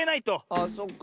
あっそっか。